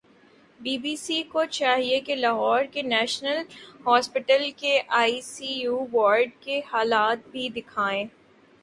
be B C کو چاہیے کہ لاہور کے نیشنل ہوسپٹل کے آئی سی یو وارڈز کے حالات بھی دیکھائیں